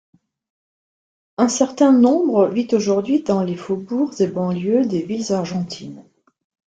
Un certain nombre vit aujourd'hui dans les faubourgs et banlieues des villes argentines.